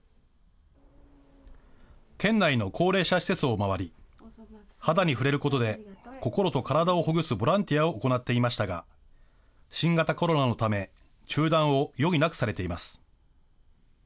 県内の高齢者施設を回り、肌に触れることで心と体をほぐすボランティアを行っていましたが、新型コロナのため、中断を余儀なくされています。